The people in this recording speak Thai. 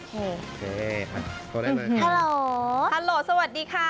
ฮัลโหลสวัสดีค่ะ